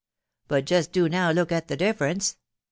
But just do now look at the difference.